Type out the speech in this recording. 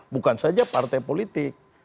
bukan saja partai politik